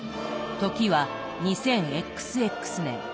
時は２０ＸＸ年。